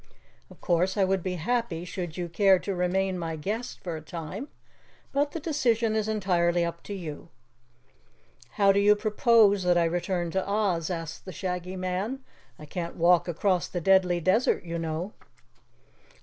Of course I would be happy should you care to remain my guest for a time, but the decision is entirely up to you." "How do you propose that I return to Oz?" asked the Shaggy Man. "I can't walk across the Deadly Desert, you know."